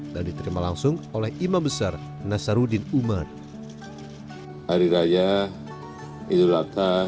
dan diterima langsung oleh idul adha